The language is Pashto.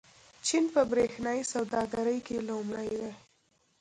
چین په برېښنايي سوداګرۍ کې لومړی دی.